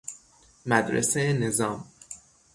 مدرسه نظام